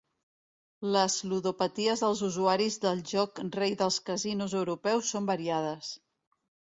Les ludopaties dels usuaris del joc rei dels casinos europeus són variades.